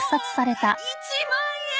１万円！？